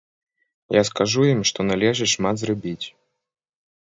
Я скажу ім, што належыць шмат зрабіць.